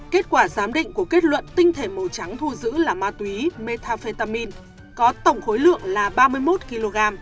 kết quả giám định của kết luận tinh thể màu trắng thu giữ là ma túy metafetamin có tổng khối lượng là ba mươi một kg